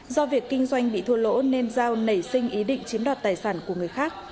do việc kinh doanh bị thua lỗ nên giao nảy sinh ý định chiếm đoạt tài sản của người khác